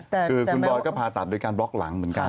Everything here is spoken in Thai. คือคุณบอยก็ผ่าตัดโดยการบล็อกหลังเหมือนกัน